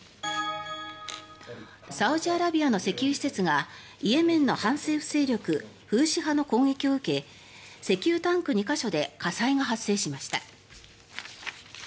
サウジアラビアの石油施設がイエメンの反政府勢力フーシ派の攻撃を受け石油タンク２か所で火災が発生しました。